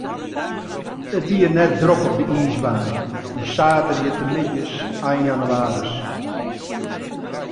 It wie net drok op de iisbaan, dy saterdeitemiddeis ein jannewaris.